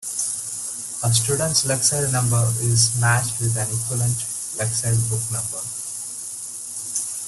A student’s lexile number is matched with an equivalent Lexile book number.